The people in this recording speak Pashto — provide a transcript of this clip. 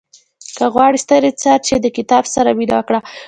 • که غواړې ستر انسان شې، د کتاب سره مینه وکړه.